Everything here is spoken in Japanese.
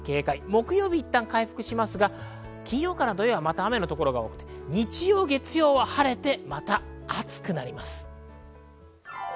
木曜日いったん回復しますが、金曜か土曜は雨の所が多く日曜、月曜は晴れてまた暑くなります。